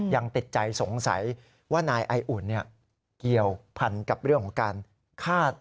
ยังติดใจสงสัยว่านายไออุ่นเกี่ยวพันกับเรื่องของการฆ่า